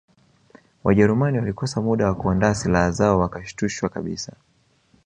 Wajerumani walikosa muda wa kuandaa silaha zao wakashtushwa kabisa